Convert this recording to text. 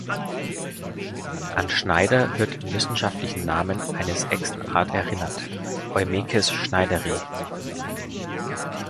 An Schneider wird im wissenschaftlichen Namen eines Echsenart erinnert, „Eumeces schneideri“.